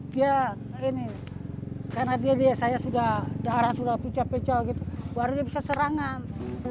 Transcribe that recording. dia ini karena dia saya sudah darah sudah pecah pecah gitu baru dia bisa serangan